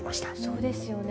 そうですよね。